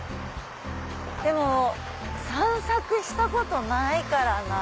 でも散策したことないからなぁ。